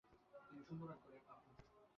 আমি সামলে নেব।